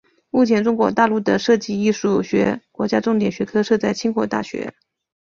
目前中国大陆的设计艺术学国家重点学科设在清华大学。